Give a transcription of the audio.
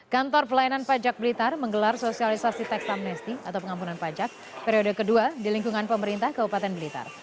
kantor pelayanan pajak blitar menggelar sosialisasi teks amnesti atau pengampunan pajak periode kedua di lingkungan pemerintah kabupaten blitar